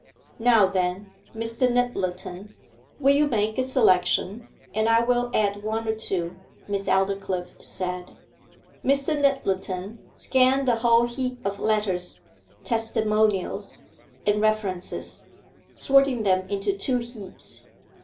'Now, then, Mr. Nyttleton, will you make a selection, and I will add one or two,' Miss Aldclyffe said. Mr. Nyttleton scanned the whole heap of letters, testimonials, and references, sorting them into two heaps.